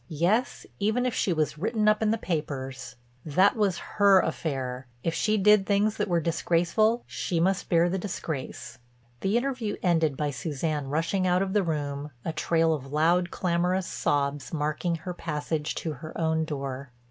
Yes, even if she was written up in the papers. That was her affair: if she did things that were disgraceful she must bear the disgrace. The interview ended by Suzanne rushing out of the room, a trail of loud, clamorous sobs marking her passage to her own door.